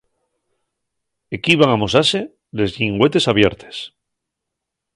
Equí van amosase les llingüetes abiertes.